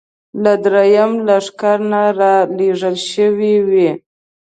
له درېیم لښکر نه را لېږل شوې وې.